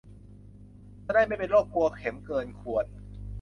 จะได้ไม่เป็นโรคกลัวเข็มเกินควร